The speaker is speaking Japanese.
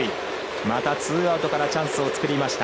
またツーアウトからチャンスを作りました。